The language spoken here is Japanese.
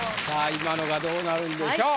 今のがどうなるんでしょう。